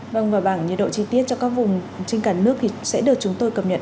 vâng và bảng nhiệt độ chi tiết cho các vùng trên cả nước thì sẽ được chúng tôi cập nhật